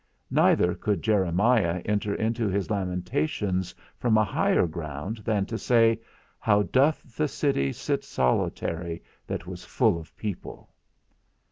_ Neither could Jeremiah enter into his lamentations from a higher ground than to say, How doth the city sit solitary that was full of people.